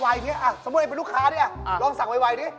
สั่งวัยอย่างนี้สมมุติเป็นลูกค้าลองสั่งวัยดิ